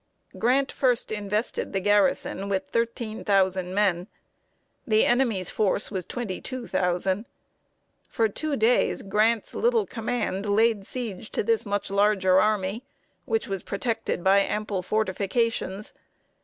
Grant first invested the garrison with thirteen thousand men. The enemy's force was twenty two thousand. For two days, Grant's little command laid siege to this much larger army, which was protected by ample fortifications.